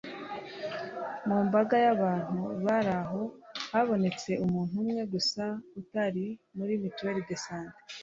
mu mbaga y'abantu bari aho, habonetse umuntu umwe gusa utari muri mutuelle de santé